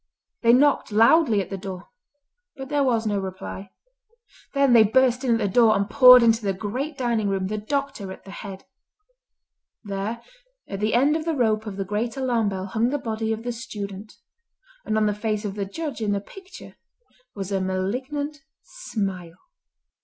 They knocked loudly at the door, but there was no reply. Then they burst in the door, and poured into the great dining room, the doctor at the head. There at the end of the rope of the great alarm bell hung the body of the student, and on the face of the Judge in the picture was a malignant smile.